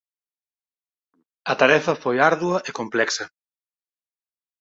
A tarefa foi ardua e complexa.